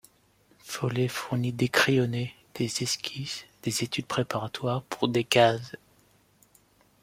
Follet fournit des crayonnés, des esquisses, des études préparatoires pour des cases.